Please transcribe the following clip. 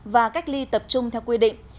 và cách ly tập trung theo quy định